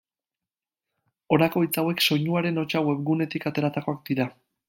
Honako hitz hauek Soinuaren hotsa webgunetik ateratakoak dira.